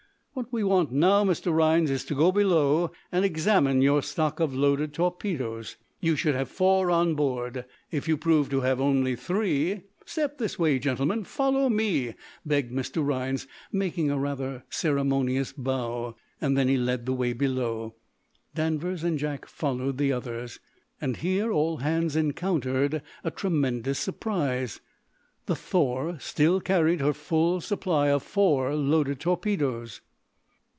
"What we want, now, Mr. Rhinds, is to go below and examine your stock of loaded torpedoes. You should have four on board. If you prove to have only three " "Step this way, gentlemen. Follow me," begged Mr. Rhinds, making a rather ceremonious bow. Then he led the way below. Danvers and Jack followed the others. And here all hands encountered a tremendous surprise. The "Thor" still carried her full supply of four loaded torpedoes!